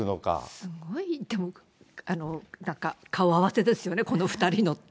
すごい、でもなんか顔合わせですよね、この２人のって。